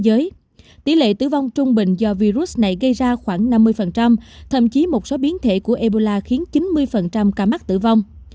giới tỷ lệ tử vong trung bình do virus này gây ra khoảng năm mươi thậm chí một số biến thể của ebola khiến chín mươi ca mắc tử vong